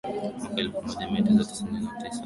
Mwaka elfu moja mia tisa tisini na tisa